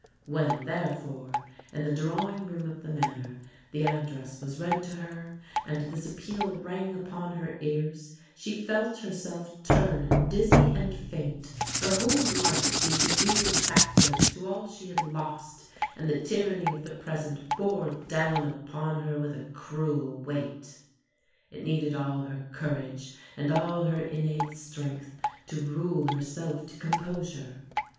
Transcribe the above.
When, therefore, in the drawing room of the manor, the address was read to her, and this appeal rang upon THE LANE THAT HAD NO TURNING 77 her ears, she felt herself turn dizzy and faint; her whole hfe seemed to reel backwards to all she had lost, and the tyranny of the present bore down upon her with a cruel weight. It needed all her courage and all her innate strength to rule herself to composure.